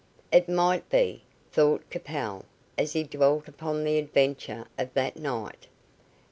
"It might be," thought Capel, as he dwelt upon the adventure of that night.